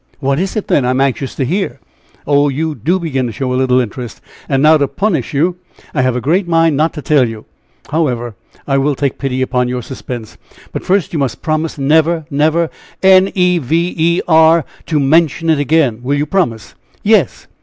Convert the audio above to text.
"What is it, then? I am anxious to hear?" "Oh! you do begin to show a little interest; and now, to punish you, I have a great mind not to tell you; however, I will take pity upon your suspense; but first, you must promise never, never, n e v e r to mention it again will you promise?" "Yes."